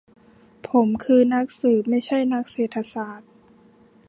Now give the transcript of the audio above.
ผมคือนักสืบ ไม่ใช่นักเศรษฐศาสตร์